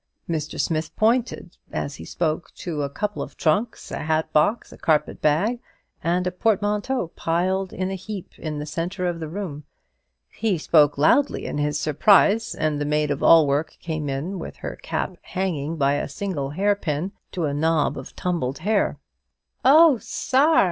Mr. Smith pointed as he spoke to a couple of trunks, a hatbox, a carpet bag, and a portmanteau, piled in a heap in the centre of the room. He spoke loudly in his surprise; and the maid of all work came in with her cap hanging by a single hair pin to a knob of tumbled hair. "Oh, sir!"